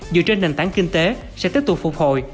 dựa trên nền tảng kinh tế sẽ tiếp tục phục hồi